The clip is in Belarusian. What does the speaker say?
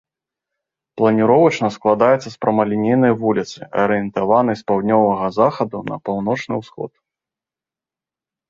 Планіровачна складаецца з прамалінейнай вуліцы, арыентаванай з паўднёвага захаду на паўночны ўсход.